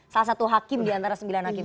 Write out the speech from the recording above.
salah satu hakim diantara sembilan hakim itu